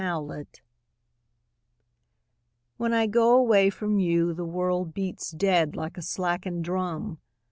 The Taxi When I go away from you The world beats dead Like a slackened drum.